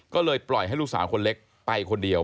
ก็เลยปล่อยให้ลูกสาวคนเล็กไปคนเดียว